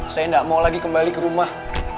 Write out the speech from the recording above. saya tidak mau lagi kembali ke rumah